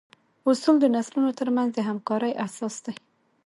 اصول د نسلونو تر منځ د همکارۍ اساس دي.